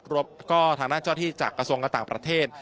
บก็ทางด้านเจ้าที่จากกระทรวงการต่างประเทศ